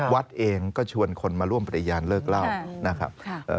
วัดเองก็ชวนคนมาร่วมปฏิญาณเลิกเล่านะครับ